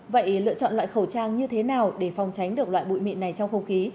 vậy lựa chọn loại khẩu trang như thế nào để phòng tránh được loại bụi mịn này trong không khí